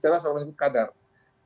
jadi kita harus menjelaskan kadarnya